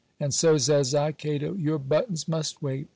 And so, says I, Cato, your buttons must wait."